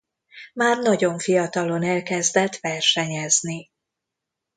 Már nagyon fiatalon elkezdett versenyezni.